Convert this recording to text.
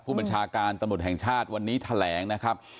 ผู้บัญชาการตำรวจแห่งชาติวันนี้แถลงนะครับ